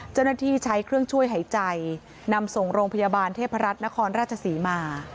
เจ้าหน้าที่ใช้เครื่องช่วยหายใจนำส่งโรงพยาบาลเทพรัฐนครราชศรีมา